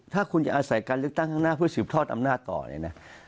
ถ้าคุณจะอาศัยการเลือกตั้งข้างหน้าเพื่อสืบทอดอำนาจต่อเลยนะ